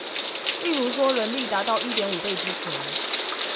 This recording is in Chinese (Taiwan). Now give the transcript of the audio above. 例如說人力達到一點五倍之前